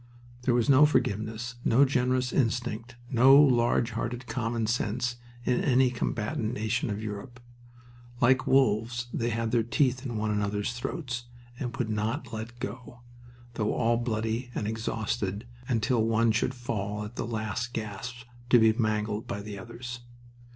There was no forgiveness, no generous instinct, no large hearted common sense in any combatant nation of Europe. Like wolves they had their teeth in one another's throats, and would not let go, though all bloody and exhausted, until one should fall at the last gasp, to be mangled by the others.